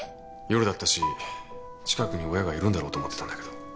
夜だったし近くに親がいるんだろうと思ってたんだけど。